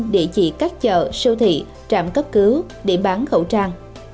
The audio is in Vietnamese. địa chỉ các chợ siêu thị trạm cấp cứu điểm bán khẩu trang